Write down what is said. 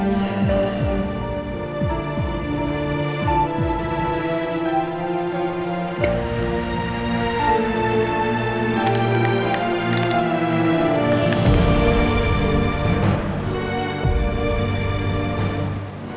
kita sudah sempat beradaalku